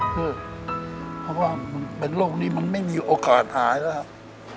คือเพราะว่ามันเป็นโรคนี้มันไม่มีโอกาสหายแล้วครับ